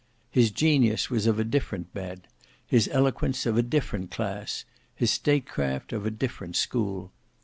His genius was of a different bent, his eloquence of a different class, his state craft of a different school.